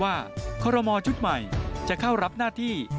คอรมอชุดใหม่จะเข้ารับหน้าที่